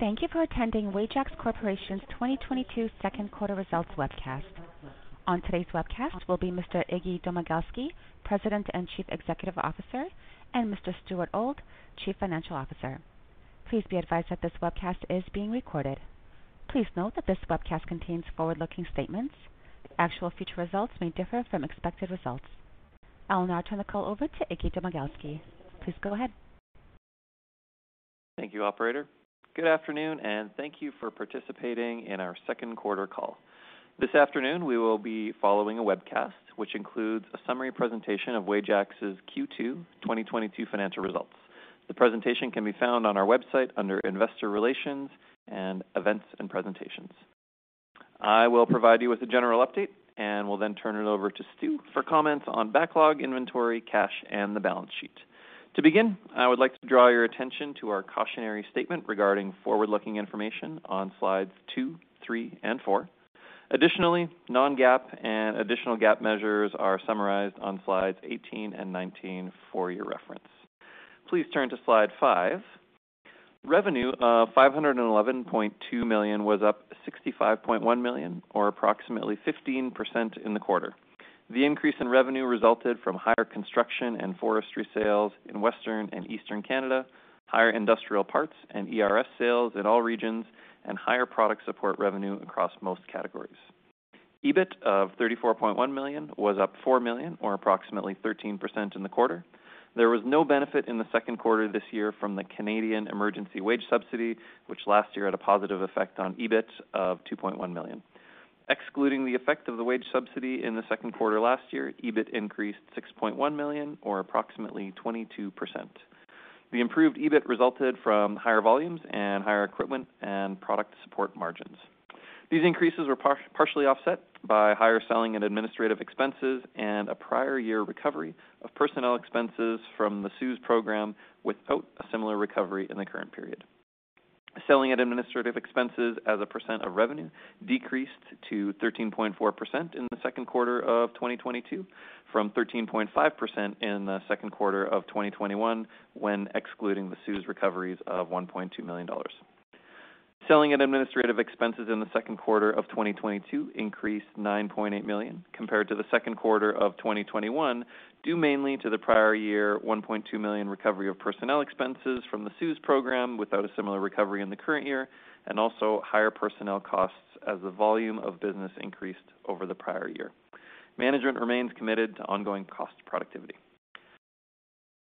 Thank you for attending Wajax Corporation's 2022 second quarter results webcast. On today's webcast will be Mr. Iggy Domagalski, President and Chief Executive Officer, and Mr. Stuart Auld, Chief Financial Officer. Please be advised that this webcast is being recorded. Please note that this webcast contains forward-looking statements. The actual future results may differ from expected results. I'll now turn the call over to Iggy Domagalski. Please go ahead. Thank you, operator. Good afternoon and thank you for participating in our second quarter call. This afternoon, we will be following a webcast which includes a summary presentation of Wajax's Q2 2022 financial results. The presentation can be found on our website under Investor Relations and Events and Presentations. I will provide you with a general update and will then turn it over to Stu for comments on backlog, inventory, cash, and the balance sheet. To begin, I would like to draw your attention to our cautionary statement regarding forward-looking information on slides two, three, and four. Additionally, non-GAAP and additional GAAP measures are summarized on slides 18 and 19 for your reference. Please turn to slide five. Revenue of 511.2 million was up 65.1 million or approximately 15% in the quarter. The increase in revenue resulted from higher construction and forestry sales in Western and Eastern Canada, higher industrial parts and ERS sales in all regions, and higher product support revenue across most categories. EBIT of 34.1 million was up 4 million, or approximately 13% in the quarter. There was no benefit in the second quarter this year from the Canada Emergency Wage Subsidy, which last year had a positive effect on EBIT of 2.1 million. Excluding the effect of the wage subsidy in the second quarter last year, EBIT increased 6.1 million or approximately 22%. The improved EBIT resulted from higher volumes and higher equipment and product support margins. These increases were partially offset by higher selling and administrative expenses and a prior-year recovery of personnel expenses from the CEWS program, without a similar recovery in the current period. Selling and administrative expenses as a percent of revenue decreased to 13.4% in the second quarter of 2022 from 13.5% in the second quarter of 2021, when excluding the CEWS recoveries of 1.2 million dollars. Selling and administrative expenses in the second quarter of 2022 increased 9.8 million compared to the second quarter of 2021, due mainly to the prior year 1.2 million recovery of personnel expenses from the CEWS program without a similar recovery in the current year, and also higher personnel costs as the volume of business increased over the prior year. Management remains committed to ongoing cost productivity.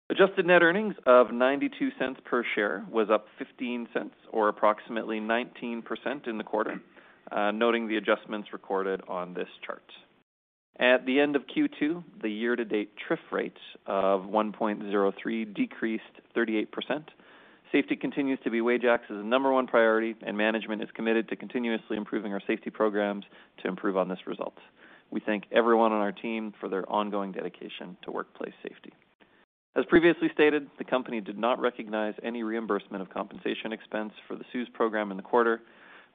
Adjusted net earnings of 0.92 per share was up 0.15 or approximately 19% in the quarter, noting the adjustments recorded on this chart. At the end of Q2, the year-to-date TRIF rate of 1.03 decreased 38%. Safety continues to be Wajax's number one priority and management is committed to continuously improving our safety programs to improve on this result. We thank everyone on our team for their ongoing dedication to workplace safety. As previously stated, the company did not recognize any reimbursement of compensation expense for the CEWS program in the quarter.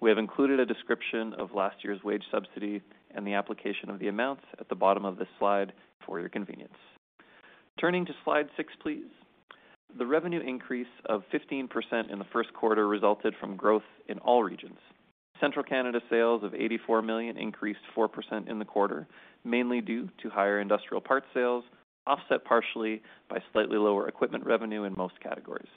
We have included a description of last year's wage subsidy and the application of the amounts at the bottom of this slide for your convenience. Turning to slide six, please. The revenue increase of 15% in the first quarter resulted from growth in all regions. Central Canada sales of 84 million increased 4% in the quarter, mainly due to higher industrial parts sales, offset partially by slightly lower equipment revenue in most categories.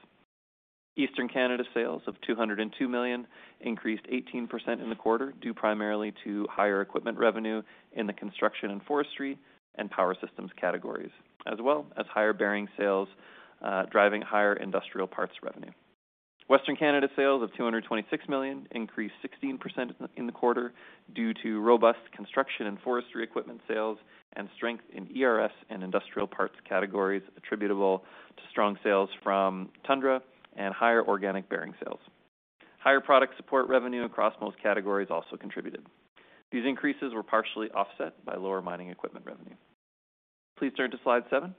Eastern Canada sales of 202 million increased 18% in the quarter, due primarily to higher equipment revenue in the construction and forestry and power systems categories, as well as higher bearing sales driving higher industrial parts revenue. Western Canada sales of 226 million increased 16% in the quarter due to robust construction and forestry equipment sales and strength in ERS and industrial parts categories attributable to strong sales from Tundra and higher organic bearing sales. Higher product support revenue across most categories also contributed. These increases were partially offset by lower mining equipment revenue. Please turn to slide seven.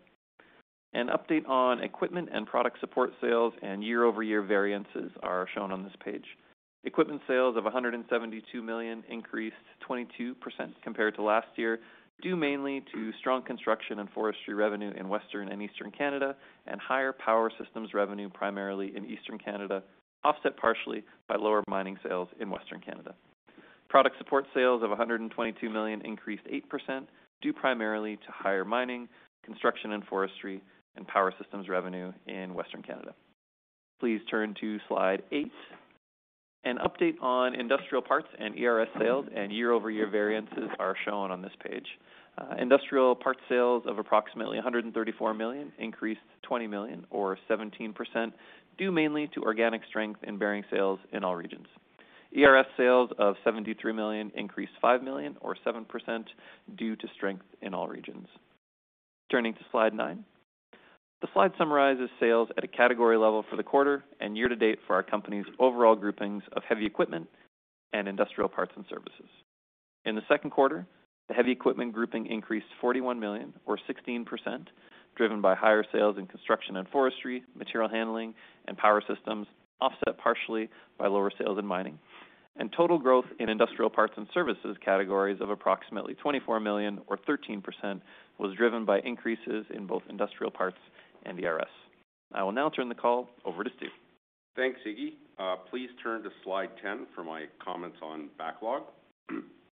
An update on equipment and product support sales and year-over-year variances are shown on this page. Equipment sales of 172 million increased 22% compared to last year, due mainly to strong construction and forestry revenue in Western and Eastern Canada and higher power systems revenue primarily in Eastern Canada, offset partially by lower mining sales in Western Canada. Product support sales of 122 million increased 8%, due primarily to higher mining, construction and forestry and power systems revenue in Western Canada. Please turn to slide eight. An update on industrial parts and ERS sales and year-over-year variances are shown on this page. Industrial parts sales of approximately 134 million increased 20 million or 17% due mainly to organic strength in bearing sales in all regions. ERS sales of 73 million increased 5 million or 7% due to strength in all regions. Turning to slide nine. This slide summarizes sales at a category level for the quarter and year to date for our company's overall groupings of heavy equipment and industrial parts and services. In the second quarter, the heavy equipment grouping increased 41 million or 16%, driven by higher sales in construction and forestry, material handling, and power systems, offset partially by lower sales in mining. Total growth in industrial parts and services categories of approximately 24 million or 13% was driven by increases in both industrial parts and ERS. I will now turn the call over to Stu. Thanks, Iggy. Please turn to slide 10 for my comments on backlog.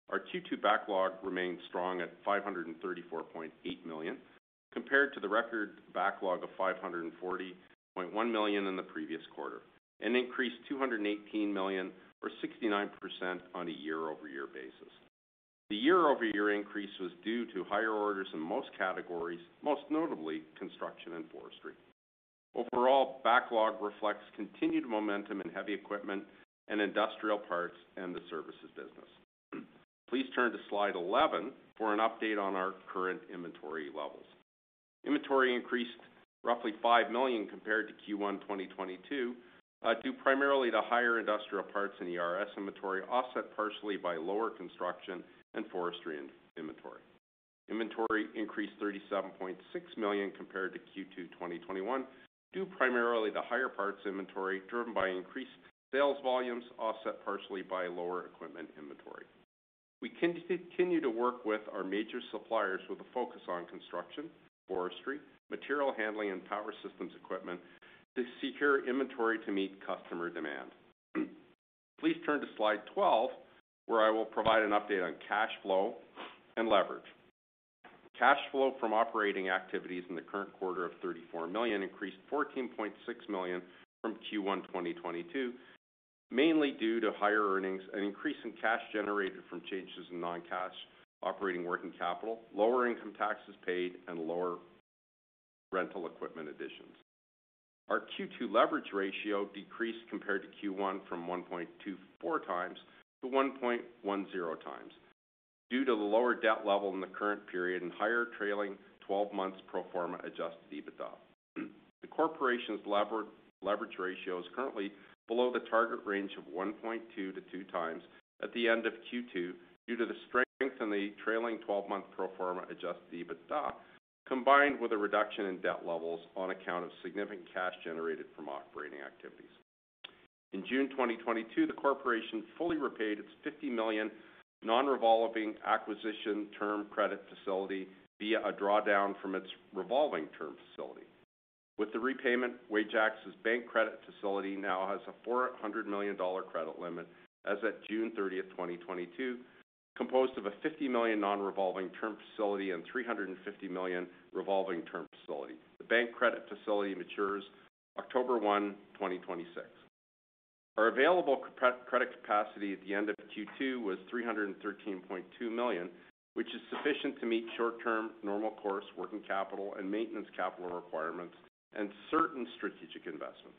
Our Q2 backlog remained strong at 534.8 million, compared to the record backlog of 540.1 million in the previous quarter, and increased 218 million or 69% on a year-over-year basis. The year-over-year increase was due to higher orders in most categories, most notably construction and forestry. Overall, backlog reflects continued momentum in heavy equipment and industrial parts and the services business. Please turn to slide 11 for an update on our current inventory levels. Inventory increased roughly 5 million compared to Q1 2022, due primarily to higher industrial parts and ERS inventory, offset partially by lower construction and forestry inventory. Inventory increased 37.6 million compared to Q2 2021, due primarily to higher parts inventory, driven by increased sales volumes, offset partially by lower equipment inventory. We continue to work with our major suppliers with a focus on construction, forestry, material handling, and power systems equipment to secure inventory to meet customer demand. Please turn to slide 12, where I will provide an update on cash flow and leverage. Cash flow from operating activities in the current quarter of 34 million increased 14.6 million from Q1 2022, mainly due to higher earnings, an increase in cash generated from changes in non-cash operating working capital, lower income taxes paid, and lower rental equipment additions. Our Q2 leverage ratio decreased compared to Q1 from 1.24x to 1.10x due to the lower debt level in the current period and higher trailing 12 months pro forma adjusted EBITDA. The corporation's leverage ratio is currently below the target range of 1.2x to 2x at the end of Q2 due to the strength in the trailing 12-month pro forma adjusted EBITDA, combined with a reduction in debt levels on account of significant cash generated from operating activities. In June 2022, the corporation fully repaid its 50 million non-revolving acquisition term credit facility via a drawdown from its revolving term facility. With the repayment, Wajax's bank credit facility now has a 400 million dollar credit limit as at June 30th, 2022, composed of a 50 million non-revolving term facility and 350 million revolving term facility. The bank credit facility matures October 1, 2026. Our available credit capacity at the end of Q2 was 313.2 million, which is sufficient to meet short-term normal course working capital and maintenance capital requirements and certain strategic investments.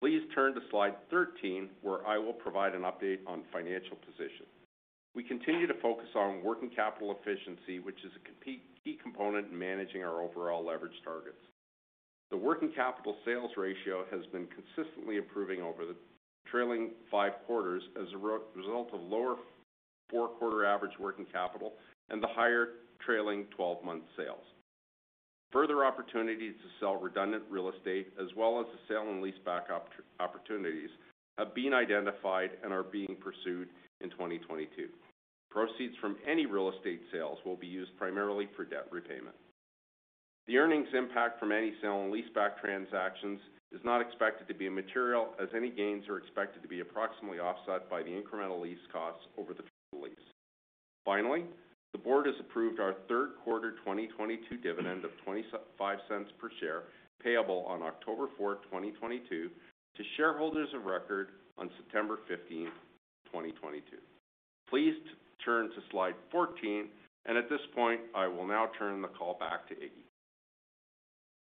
Please turn to slide 13, where I will provide an update on financial position. We continue to focus on working capital efficiency, which is a key component in managing our overall leverage targets. The working capital sales ratio has been consistently improving over the trailing five quarters as a result of lower four-quarter average working capital and the higher trailing 12-month sales. Further opportunities to sell redundant real estate as well as the sale and lease back opportunities have been identified and are being pursued in 2022. Proceeds from any real estate sales will be used primarily for debt repayment. The earnings impact from any sale and lease back transactions is not expected to be material as any gains are expected to be approximately offset by the incremental lease costs over the total lease. Finally, the board has approved our third quarter 2022 dividend of 0.25 per share payable on October 4th, 2022 to shareholders of record on September 15th, 2022. Please turn to slide 14. At this point, I will now turn the call back to Iggy.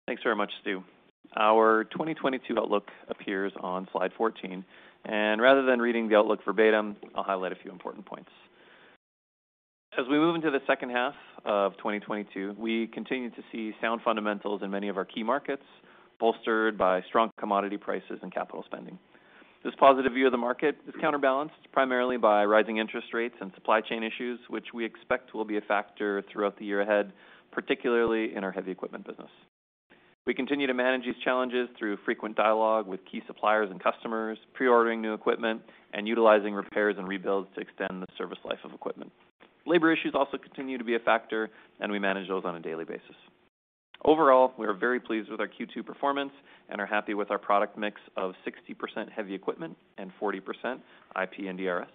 Thanks very much, Stu. Our 2022 outlook appears on slide 14, and rather than reading the outlook verbatim, I'll highlight a few important points. As we move into the second half of 2022, we continue to see sound fundamentals in many of our key markets, bolstered by strong commodity prices and capital spending. This positive view of the market is counterbalanced primarily by rising interest rates and supply chain issues, which we expect will be a factor throughout the year ahead, particularly in our heavy equipment business. We continue to manage these challenges through frequent dialogue with key suppliers and customers, pre-ordering new equipment and utilizing repairs and rebuilds to extend the service life of equipment. Labor issues also continue to be a factor, and we manage those on a daily basis. Overall, we are very pleased with our Q2 performance and are happy with our product mix of 60% heavy equipment and 40% IP and ERS.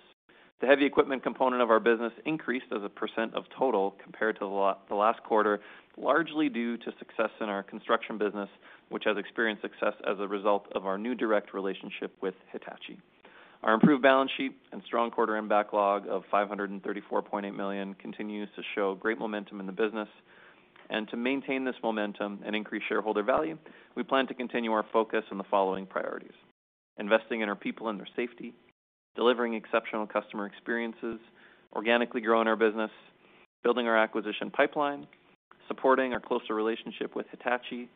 The heavy equipment component of our business increased as a percent of total compared to the last quarter, largely due to success in our construction business, which has experienced success as a result of our new direct relationship with Hitachi. Our improved balance sheet and strong quarter-end backlog of 534.8 million continues to show great momentum in the business. To maintain this momentum and increase shareholder value, we plan to continue our focus on the following priorities, investing in our people and their safety, delivering exceptional customer experiences, organically growing our business, building our acquisition pipeline, supporting our closer relationship with Hitachi,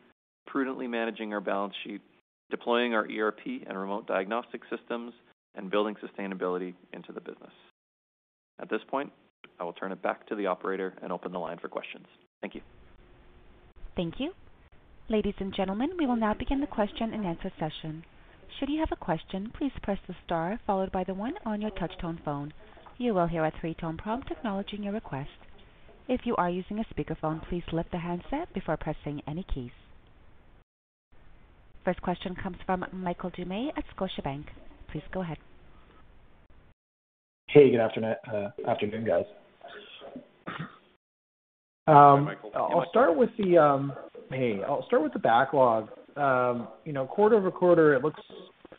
prudently managing our balance sheet, deploying our ERP and remote diagnostic systems, and building sustainability into the business. At this point, I will turn it back to the operator and open the line for questions. Thank you. Thank you. Ladies and gentlemen, we will now begin the question-and-answer session. Should you have a question, please press the star followed by the one on your touch-tone phone. You will hear a three-tone prompt acknowledging your request. If you are using a speakerphone, please lift the handset before pressing any keys. First question comes from Michael Doumet at Scotiabank. Please go ahead. Hey, good afternoon, guys. Hi, Michael. I'll start with the backlog. You know, quarter-over-quarter it looks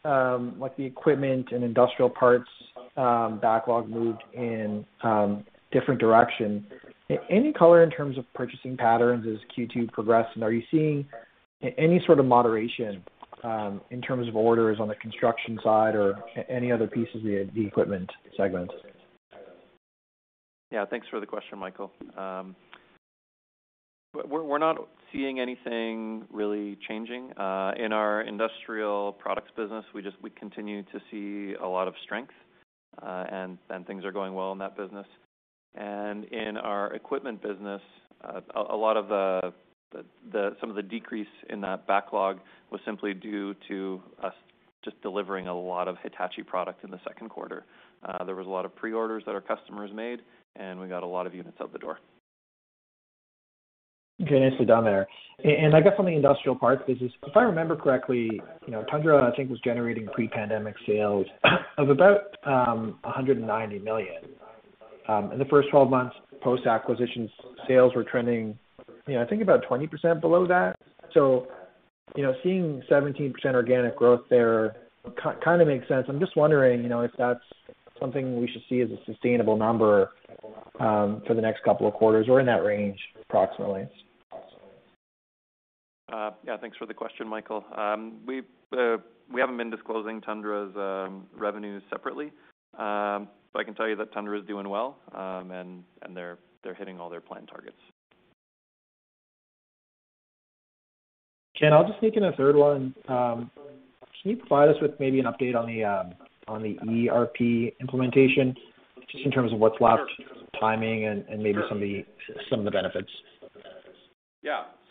like the equipment and industrial parts backlog moved in different direction. Any color in terms of purchasing patterns as Q2 progressed, and are you seeing any sort of moderation in terms of orders on the construction side or any other pieces of the equipment segment? Yeah. Thanks for the question, Michael. We're not seeing anything really changing in our industrial products business. We continue to see a lot of strength, and things are going well in that business. In our equipment business, some of the decrease in that backlog was simply due to us just delivering a lot of Hitachi product in the second quarter. There was a lot of pre-orders that our customers made, and we got a lot of units out the door. Okay. Nicely done there. And I guess on the industrial parts business, if I remember correctly, you know, Tundra, I think, was generating pre-pandemic sales of about 190 million. In the first 12 months post-acquisition, sales were trending, you know, I think about 20% below that. Seeing 17% organic growth there kind of makes sense. I'm just wondering, you know, if that's something we should see as a sustainable number for the next couple of quarters or in that range approximately. Yeah. Thanks for the question, Michael. We haven't been disclosing Tundra's revenues separately. I can tell you that Tundra is doing well, and they're hitting all their planned targets. Ken, I'll just sneak in a third one. Can you provide us with maybe an update on the ERP implementation just in terms of what's left, timing, and maybe some of the benefits?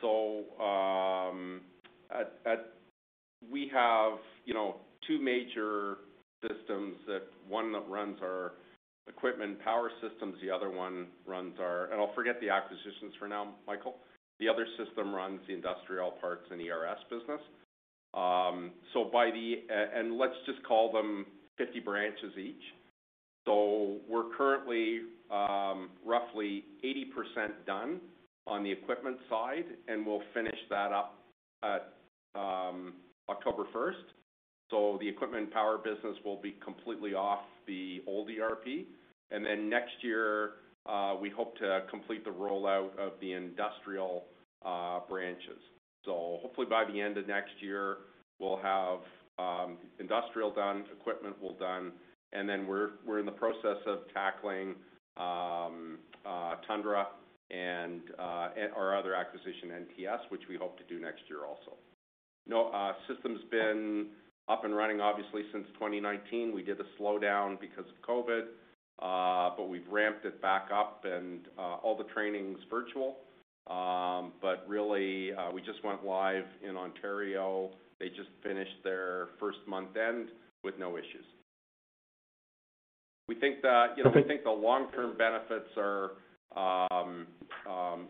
Yeah. We have, you know, two major systems. One runs our equipment power systems, the other one runs our industrial parts and ERS business. I'll forget the acquisitions for now, Michael. Let's just call them 50 branches each. We're currently roughly 80% done on the equipment side, and we'll finish that up at October 1. The equipment power business will be completely off the old ERP. Next year, we hope to complete the rollout of the industrial branches. Hopefully by the end of next year, we'll have industrial done, equipment well done, and then we're in the process of tackling Tundra and our other acquisition, NTS, which we hope to do next year also. You know, system's been up and running obviously since 2019. We did the slowdown because of COVID, but we've ramped it back up and all the training's virtual. Really, we just went live in Ontario. They just finished their first month end with no issues. We think that. Okay. You know, we think the long-term benefits are,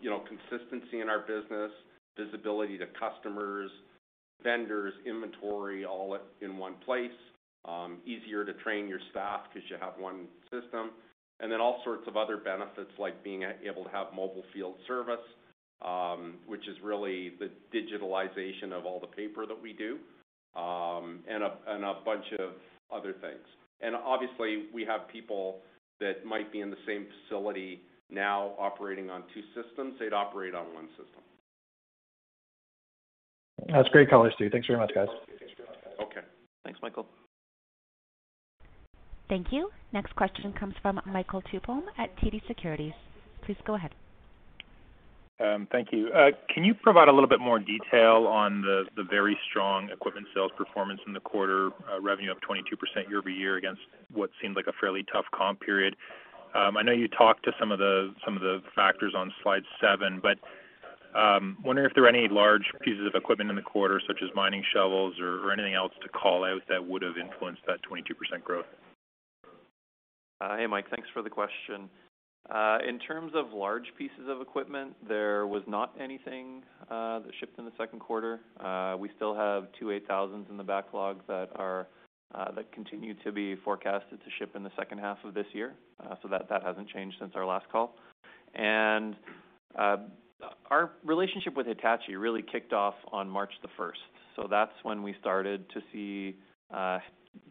you know, consistency in our business, visibility to customers, vendors, inventory all in one place. Easier to train your staff 'cause you have one system. All sorts of other benefits like being able to have mobile field service, which is really the digitalization of all the paper that we do, and a bunch of other things. Obviously, we have people that might be in the same facility now operating on two systems. They'd operate on one system. That's great color, Stu. Thanks very much, guys. Okay. Thanks, Michael. Thank you. Next question comes from Michael Tupholme at TD Securities. Please go ahead. Thank you. Can you provide a little bit more detail on the very strong equipment sales performance in the quarter, revenue up 22% year-over-year against what seemed like a fairly tough comp period? I know you talked to some of the factors on slide seven, but wondering if there are any large pieces of equipment in the quarter, such as mining shovels or anything else to call out that would have influenced that 22% growth. Hey, Mike. Thanks for the question. In terms of large pieces of equipment, there was not anything that shipped in the second quarter. We still have two EX8000s in the backlog that continue to be forecasted to ship in the second half of this year. So that hasn't changed since our last call. Our relationship with Hitachi really kicked off on March the first. That's when we started to see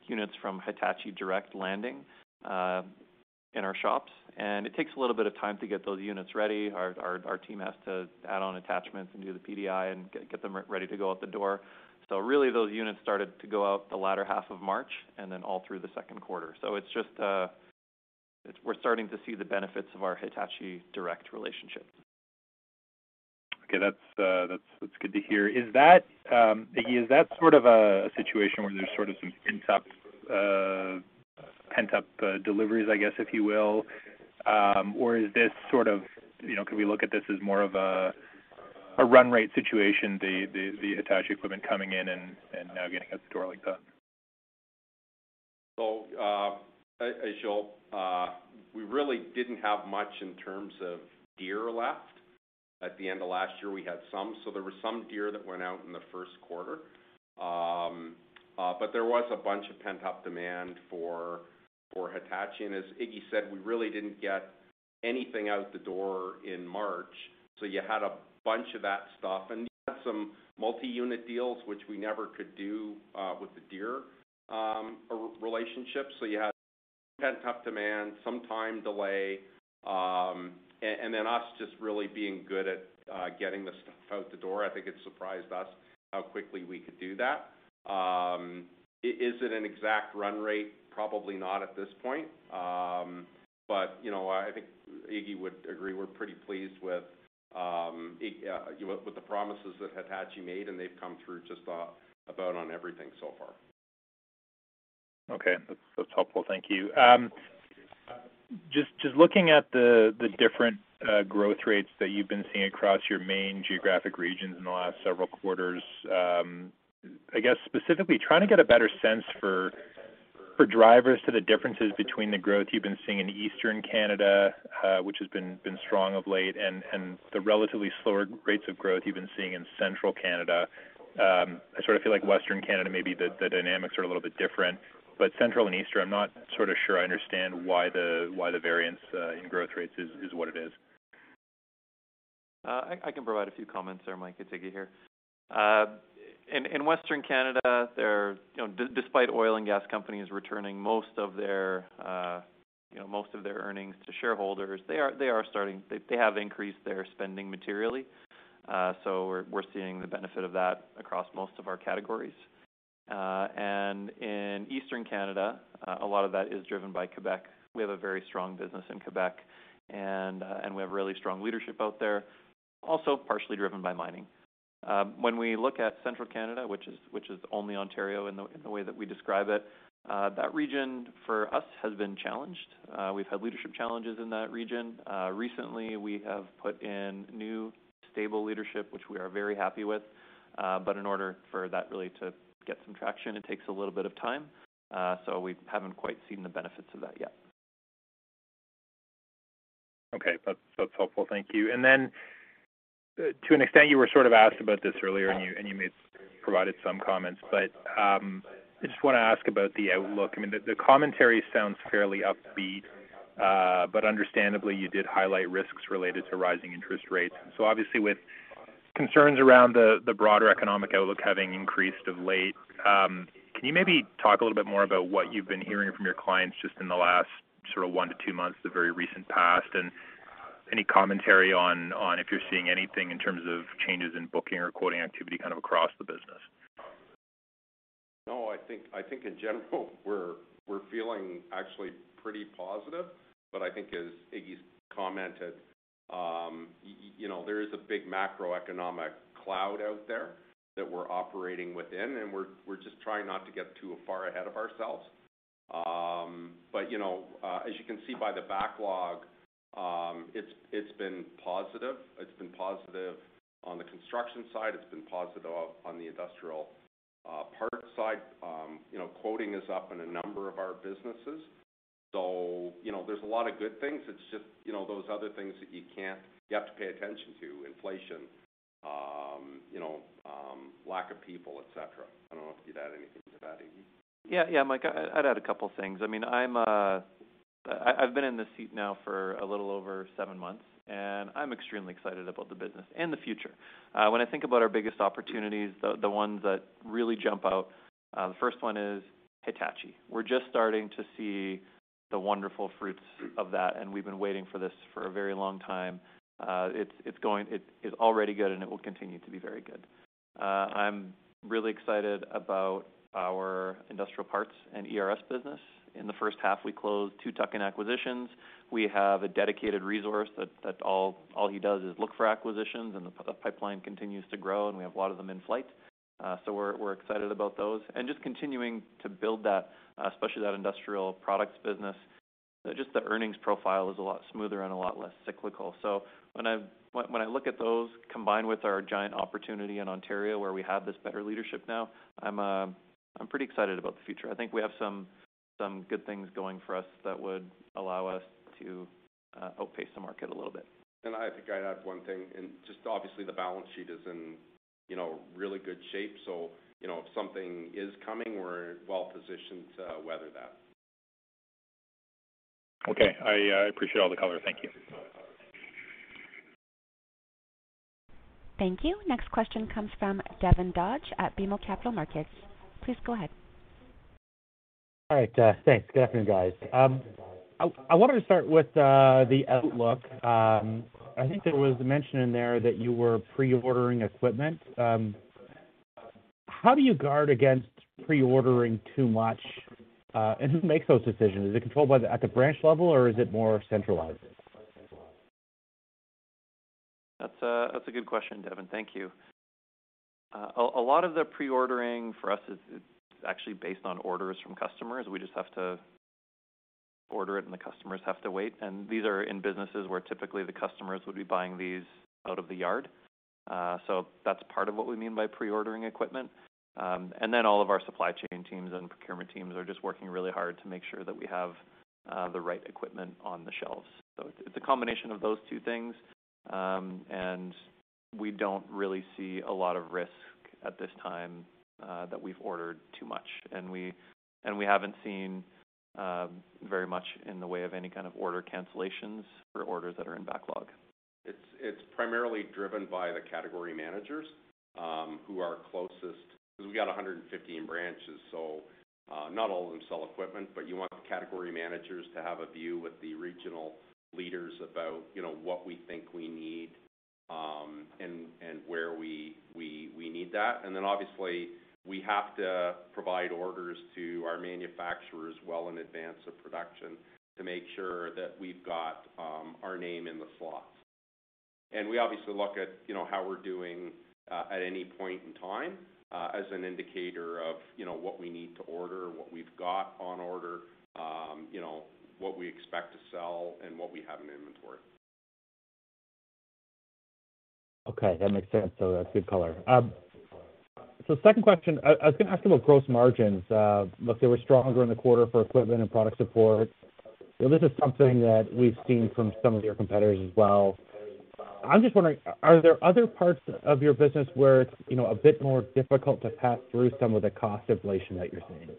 units from Hitachi direct landing in our shops. It takes a little bit of time to get those units ready. Our team has to add on attachments and do the PDI and get them ready to go out the door. Really those units started to go out the latter half of March and then all through the second quarter. It's just, we're starting to see the benefits of our Hitachi direct relationship. Okay. That's good to hear. Is that sort of a situation where there's sort of some pent-up deliveries, I guess, if you will. Or is this sort of, you know, can we look at this as more of a run rate situation, the Hitachi equipment coming in and now getting out the door like that? We really didn't have much in terms of Deere left. At the end of last year, we had some, so there were some Deere that went out in the first quarter. But there was a bunch of pent-up demand for Hitachi. As Iggy said, we really didn't get anything out the door in March, so you had a bunch of that stuff. You had some multi-unit deals, which we never could do with the Deere relationship. You had pent-up demand, sometime delay, and then us just really being good at getting the stuff out the door. I think it surprised us how quickly we could do that. Is it an exact run rate? Probably not at this point. You know, I think Iggy would agree, we're pretty pleased with the promises that Hitachi made, and they've come through just about on everything so far. Okay. That's helpful. Thank you. Just looking at the different growth rates that you've been seeing across your main geographic regions in the last several quarters, I guess specifically trying to get a better sense for drivers to the differences between the growth you've been seeing in Eastern Canada, which has been strong of late, and the relatively slower rates of growth you've been seeing in Central Canada. I sort of feel like Western Canada maybe the dynamics are a little bit different, but Central and Eastern, I'm not sort of sure I understand why the variance in growth rates is what it is. I can provide a few comments there, Mike. It's Iggy here. In Western Canada, you know, despite oil and gas companies returning most of their earnings to shareholders, they have increased their spending materially, so we're seeing the benefit of that across most of our categories. In Eastern Canada, a lot of that is driven by Quebec. We have a very strong business in Quebec, and we have really strong leadership out there, also partially driven by mining. When we look at Central Canada, which is only Ontario in the way that we describe it, that region for us has been challenged. We've had leadership challenges in that region. Recently we have put in new stable leadership, which we are very happy with. In order for that really to get some traction, it takes a little bit of time. We haven't quite seen the benefits of that yet. Okay. That's helpful. Thank you. To an extent, you were sort of asked about this earlier, and you may have provided some comments, but I just wanna ask about the outlook. I mean, the commentary sounds fairly upbeat, but understandably, you did highlight risks related to rising interest rates. Obviously with concerns around the broader economic outlook having increased of late, can you maybe talk a little bit more about what you've been hearing from your clients just in the last sort of one to two months, the very recent past? Any commentary on if you're seeing anything in terms of changes in booking or quoting activity kind of across the business? No, I think in general we're feeling actually pretty positive. I think as Iggy's commented, you know, there is a big macroeconomic cloud out there that we're operating within, and we're just trying not to get too far ahead of ourselves. You know, as you can see by the backlog, it's been positive. It's been positive on the construction side. It's been positive on the industrial parts side. You know, quoting is up in a number of our businesses. You know, there's a lot of good things. It's just, you know, those other things that you can't. You have to pay attention to inflation, you know, lack of people, et cetera. I don't know if you'd add anything to that, Iggy. Yeah, yeah, Mike, I'd add a couple things. I mean, I've been in this seat now for a little over seven months, and I'm extremely excited about the business and the future. When I think about our biggest opportunities, the ones that really jump out, the first one is Hitachi. We're just starting to see the wonderful fruits of that, and we've been waiting for this for a very long time. It's already good, and it will continue to be very good. I'm really excited about our industrial parts and ERS business. In the first half, we closed two tuck-in acquisitions. We have a dedicated resource that all he does is look for acquisitions, and the pipeline continues to grow, and we have a lot of them in flight. We're excited about those. Just continuing to build that, especially that industrial products business, just the earnings profile is a lot smoother and a lot less cyclical. When I look at those combined with our giant opportunity in Ontario, where we have this better leadership now, I'm pretty excited about the future. I think we have some good things going for us that would allow us to outpace the market a little bit. I think I'd add one thing, and just obviously the balance sheet is in, you know, really good shape. You know, if something is coming, we're well positioned to weather that. Okay. I appreciate all the color. Thank you. Thank you. Next question comes from Devin Dodge at BMO Capital Markets. Please go ahead. All right, thanks. Good afternoon, guys. I wanted to start with the outlook. I think there was a mention in there that you were pre-ordering equipment. How do you guard against pre-ordering too much, and who makes those decisions? Is it controlled at the branch level, or is it more centralized? That's a good question, Devin. Thank you. A lot of the pre-ordering for us is actually based on orders from customers. We just have to order it, and the customers have to wait. These are in businesses where typically the customers would be buying these out of the yard. That's part of what we mean by pre-ordering equipment. All of our supply chain teams and procurement teams are just working really hard to make sure that we have the right equipment on the shelves. It's a combination of those two things. We don't really see a lot of risk at this time that we've ordered too much. We haven't seen very much in the way of any kind of order cancellations for orders that are in backlog. It's primarily driven by the category managers, who are closest 'cause we got 115 branches, so not all of them sell equipment. You want the category managers to have a view with the regional leaders about, you know, what we think we need, and where we need that. Then obviously, we have to provide orders to our manufacturers well in advance of production to make sure that we've got our name in the slots. We obviously look at, you know, how we're doing at any point in time as an indicator of, you know, what we need to order, what we've got on order, you know, what we expect to sell, and what we have in inventory. Okay, that makes sense. That's good color. Second question. I was gonna ask about gross margins. Look, they were stronger in the quarter for equipment and product support. This is something that we've seen from some of your competitors as well. I'm just wondering, are there other parts of your business where it's, you know, a bit more difficult to pass through some of the cost inflation that you're seeing?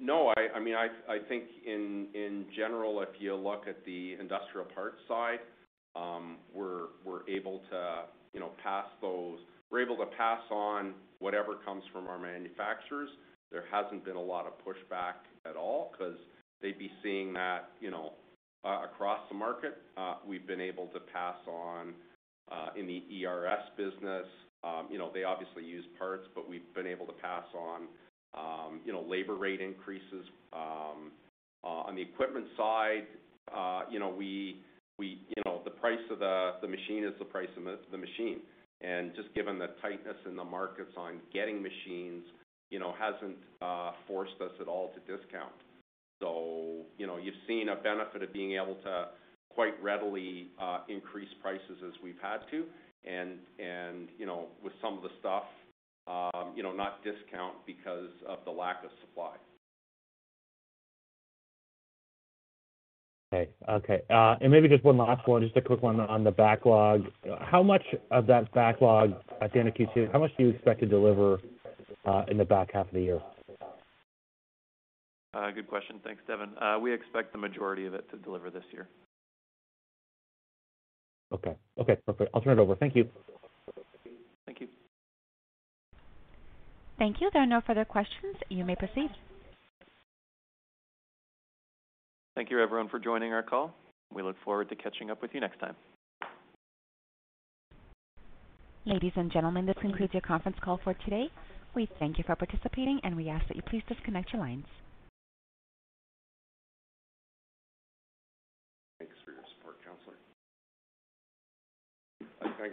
No, I mean, I think in general, if you look at the industrial parts side, we're able to, you know, pass on whatever comes from our manufacturers. There hasn't been a lot of pushback at all, 'cause they'd be seeing that, you know, across the market. We've been able to pass on in the ERS business. You know, they obviously use parts, but we've been able to pass on, you know, labor rate increases. On the equipment side, you know, the price of the machine is the price of the machine. Just given the tightness in the markets on getting machines, you know, hasn't forced us at all to discount. You know, you've seen a benefit of being able to quite readily increase prices as we've had to. You know, with some of the stuff, you know, not discount because of the lack of supply. Okay, maybe just one last one, just a quick one on the backlog. How much of that backlog at the end of Q2, how much do you expect to deliver in the back half of the year? Good question. Thanks, Devin. We expect the majority of it to deliver this year. Okay. Okay, perfect. I'll turn it over. Thank you. Thank you. Thank you. There are no further questions. You may proceed. Thank you everyone for joining our call. We look forward to catching up with you next time. Ladies and gentlemen, this concludes your conference call for today. We thank you for participating, and we ask that you please disconnect your lines. Thanks for your support, counselor. Thank you.